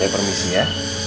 saya permisi ya